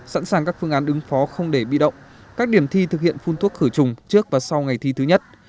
sẵn sàng các phương án ứng phó không để bị động các điểm thi thực hiện phun thuốc khử trùng trước và sau ngày thi thứ nhất